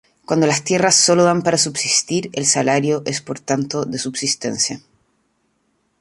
Cuando las tierras sólo dan para subsistir, el salario es por tanto de subsistencia.